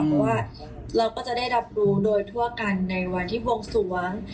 เพราะว่าเราก็จะได้รับรู้โดยทั่วกันในวันที่บวงสวง